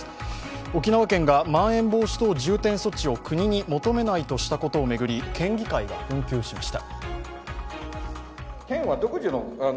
沖縄県がまん延防止等重点措置を国に求めないとしたことを巡り県議会が紛糾しました。